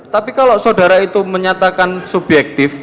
tapi kalau saudara itu menyatakan subjektif